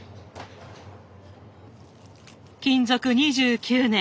勤続２９年。